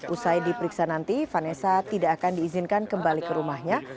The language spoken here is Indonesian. usai diperiksa nanti vanessa tidak akan diizinkan kembali ke rumahnya